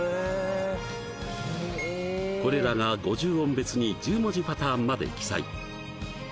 これらが５０音別に１０文字パターンまで記載